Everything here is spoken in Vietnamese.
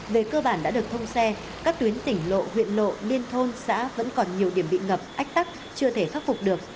về cơ bản đã được thông xe các tuyến tỉnh lộ huyện lộ liên thôn xã vẫn còn nhiều điểm bị ngập ách tắc chưa thể khắc phục được